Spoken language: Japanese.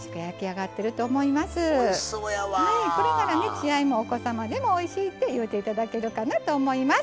血合いもお子様でもおいしいって言うていただけるかなと思います。